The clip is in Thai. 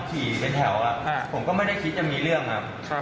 ขี่เป็นแถวผมก็ไม่ได้คิดจะมีเรื่องครับ